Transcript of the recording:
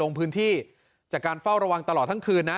ลงพื้นที่จากการเฝ้าระวังตลอดทั้งคืนนะ